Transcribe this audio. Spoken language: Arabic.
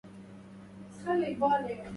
إنما هذا لعمري مركب